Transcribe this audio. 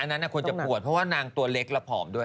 น่าจะปวดเพราะว่านางตัวเล็กและผอมด้วย